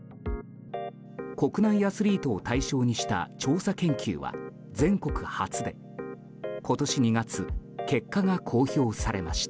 国内アスリートを対象にした調査研究は全国初で今年２月結果が公表されました。